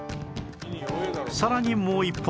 さらにもう１本